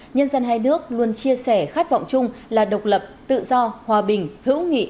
nhân dân hai nước luôn chia sẻ khát vọng chung là độc lập tự do hòa bình hữu nghị